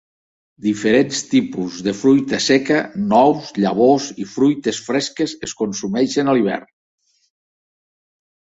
Diferents tipus de fruita seca, nous, llavors i fruites fresques es consumeixen a l'hivern.